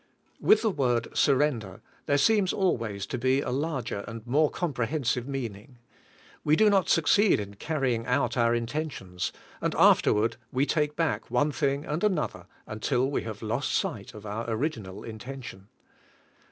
With the word surrender there seems always to be a larger and more comprehensive meaning. We do not succeed in carrying out our intentions, and afterward we take back one thing and another until we have lost sight of our original intention.